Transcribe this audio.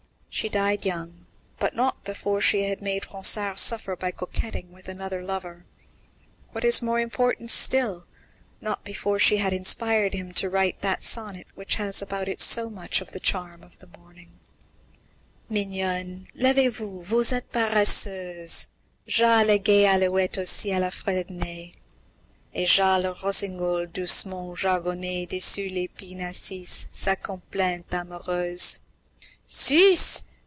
She died young, but not before she had made Ronsard suffer by coquetting with another lover. What is more important still, not before she had inspired him to write that sonnet which has about it so much of the charm of the morning: Mignonne, levez vous, vous êtes paresseuse, Ja la gaie alouette au ciel a fredonné, Et ja le rossignol doucement jargonné, Dessus l'épine assis, sa complainte amoureuse.